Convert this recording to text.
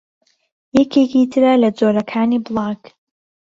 یەکێکی ترە لە جۆرەکانی بڵاگ